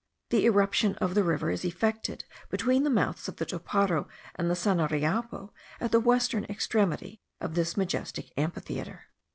The irruption of the river is effected between the mouths of the Toparo and the Sanariapo, at the western extremity of this majestic amphitheatre.